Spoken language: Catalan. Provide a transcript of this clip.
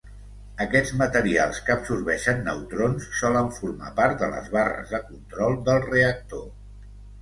Aquests materials que absorbeixen neutrons solen formar part de les barres de control del reactor.